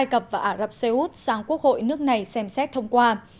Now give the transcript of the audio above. của ả rập xê út sang quốc hội nước này xem xét thông qua